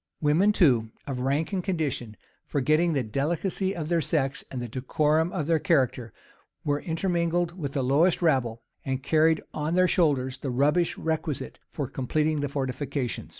Women, too, of rank and condition, forgetting the delicacy of their sex and the decorum of their character were intermingled with the lowest rabble, and carried on their shoulders the rubbish requisite for completing the fortifications.